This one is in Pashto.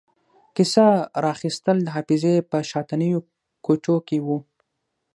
کیسه را اخیستل د حافظې په شاتنیو کوټو کې وو.